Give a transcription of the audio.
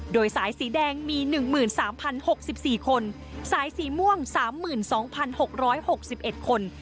โดยสายสีแดงมีหนึ่งหมื่นสามพันหกสิบสี่คนสายสีม่วงสามหมื่นสองพันหกร้อยหกสิบเอ็ดคน